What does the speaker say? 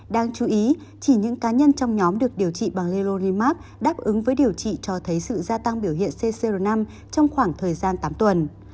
đáng chú ý chỉ những cá nhân trong nhóm được điều trị bằng heroin mark đáp ứng với điều trị cho thấy sự gia tăng biểu hiện ccr năm trong khoảng thời gian tám tuần